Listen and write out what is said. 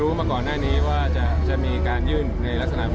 เชื่อว่าเรื่องนี้ไม่มีผลต่อการตัดสินใจววดเลือกนายกค่ะ